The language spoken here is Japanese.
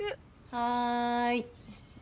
はい。